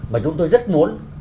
mà chúng tôi rất muốn